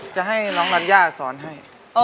จะให้น้องลาอย่าสอนให้